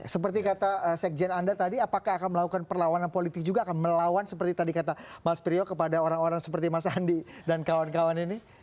seperti kata sekjen anda tadi apakah akan melakukan perlawanan politik juga akan melawan seperti tadi kata mas priyo kepada orang orang seperti mas andi dan kawan kawan ini